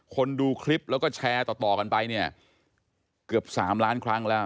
ดูคลิปแล้วก็แชร์ต่อกันไปเนี่ยเกือบ๓ล้านครั้งแล้ว